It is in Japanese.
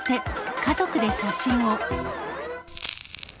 家族で写真を。